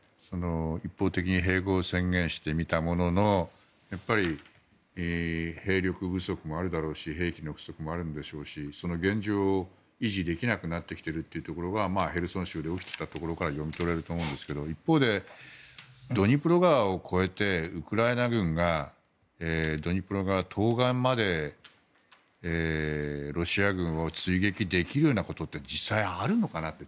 一方的に併合を宣言してみたもののやっぱり兵力不足もあるだろうし兵器の不足もあるだろうし現状を維持できなくなってきてるってところがヘルソン州で起きていたところから読み取れると思うんですが一方で、ドニプロ川を越えてウクライナ軍がドニプロ川東岸までロシア軍を追撃できるようなことって実際、あるのかなって。